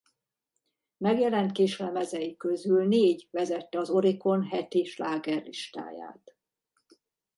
Megjelent kislemezei közül négy vezette az Oricon heti slágerlistáját.